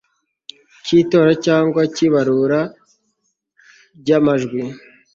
cy itora cyangwa icy ibarura ry amajwi